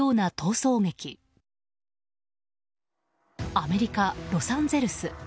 アメリカ・ロサンゼルス。